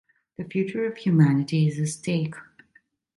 The future of humanity is a stake.